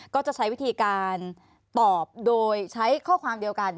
ก็จะใช้วิธีการตอบโดยใช้ข้อความเดียวกัน